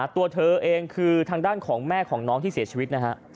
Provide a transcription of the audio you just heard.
ตัวเธอเองคือทางด้านของแม่ของน้องที่เสียชีวิตนะฮะ